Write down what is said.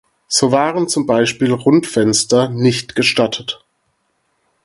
So waren zum Beispiel Rundfenster nicht gestattet.